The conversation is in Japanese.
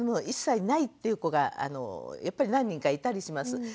一切ないっていう子がやっぱり何人かいたりします。